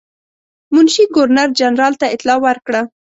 منشي ګورنر جنرال ته اطلاع ورکړه.